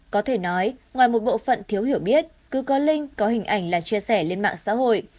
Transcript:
có thể nói ngoài một bộ phận thiếu hiểu biết cứ có linh có hình ảnh là chia sẻ lên mạng xã hội